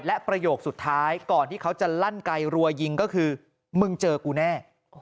และประโยคสุดท้ายก่อนที่เขาจะลั่นไกลรัวยิงก็คือมึงเจอกูแน่